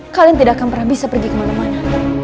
kalian tidak akan pernah bisa pergi kemana mana